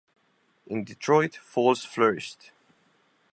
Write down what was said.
In Detroit, Falls flourished.